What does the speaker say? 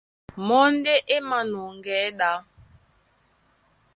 Mɔ́ ndé é mānɔŋgɛɛ́ ɗá.